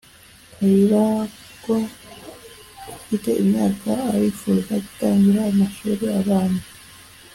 kayirangwa ufite imyaka arifuza gutangira amashuri abanza